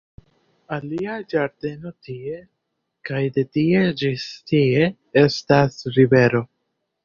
Alia ĝardeno tie, kaj de tie ĝis tie, estas rivero